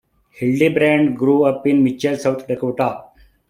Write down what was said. Hildebrand grew up in Mitchell, South Dakota.